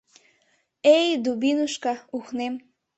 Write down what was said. Эй, дубинушка, ухнем.